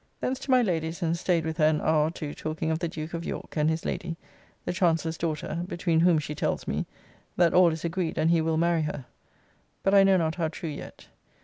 Thence to my Lady's and staid with her an hour or two talking of the Duke of York and his lady, the Chancellor's daughter, between whom, she tells me, that all is agreed and he will marry her. But I know not how true yet.